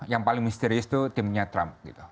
yang paling misterius itu timnya trump